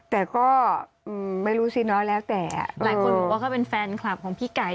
แต่ก็ไม่รู้สิน้อยแล้วแต่หลายคนบอกว่าเขาเป็นแฟนคลับของพี่ไก่